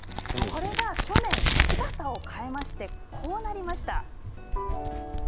これが去年、姿を替えましてこうなりました。